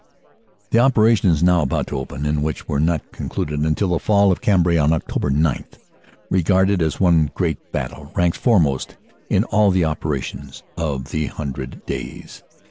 The operations now about to open, and which were not con cluded until the fall of Cambrai on Oct. 9, regarded as one great battle, ranks foremost in all the operations of the "Hun dred Days."